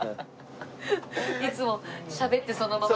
いつもしゃべってそのまま。